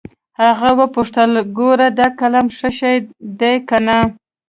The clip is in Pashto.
هغه وپوښتل ګوره دا قلم ښه شى ديه که بد.